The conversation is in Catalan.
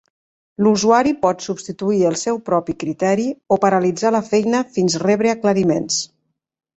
L"usuari pot substituir el seu propi criteri o paralitzar la feina fins rebre aclariments.